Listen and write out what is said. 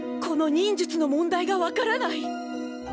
この忍術の問題が分からない。